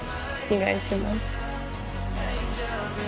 お願いします。